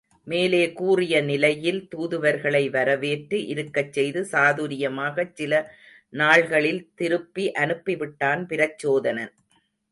மேலே கூறிய நிலையில் தூதுவர்களை வரவேற்று, இருக்கச் செய்து, சாதுரியமாகச் சில நாள்களில் திருப்பி அனுப்பிவிட்டான் பிரச்சோதனன்.